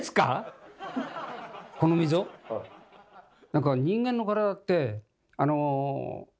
何か人間の体ってあの。